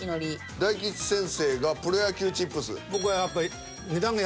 大吉先生が「プロ野球チップス」。